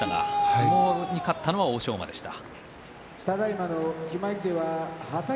相撲に勝ったのは欧勝馬でした。